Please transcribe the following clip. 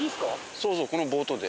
そうそうこのボートで。